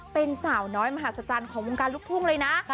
เป็นสาวน้อยมหาศจรรย์ของวงการลูกทุ่งเลยนะ